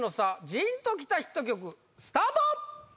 ジーンときたヒット曲スタート！